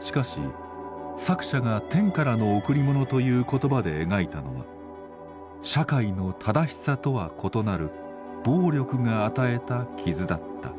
しかし作者が天からの贈り物という言葉で描いたのは社会の「正しさ」とは異なる「暴力」が与えた傷だった。